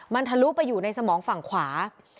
มันทะลุไปอยู่ในสมองฝั่งขวา